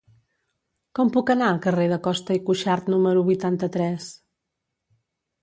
Com puc anar al carrer de Costa i Cuxart número vuitanta-tres?